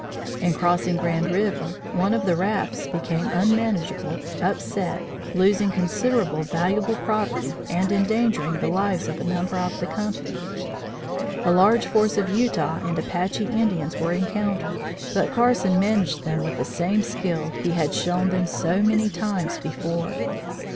In crossing Grand River, one of the rafts became unmanageable, upset, losing considerable valuable property and endangering the lives of a number of the company. A large force of Utah and Apache Indians were encountered, but Carson managed them with the same skill he had shown them so many times before.